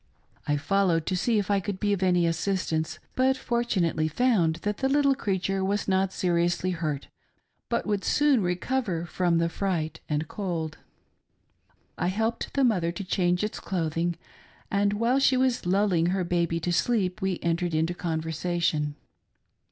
I fol lowed, to see if I could be of any assistance, but fortunately found that the Uttle creature was not seriously hurt, but would soon recover from the fright and cold. I helped the mother to change its clothing, and while she was lulling her baby to sleep, we entered into conversation.